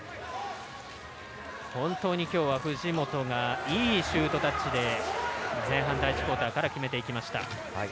本当にきょうは藤本がいいシュートタッチで前半第１クオーターから決めていきました。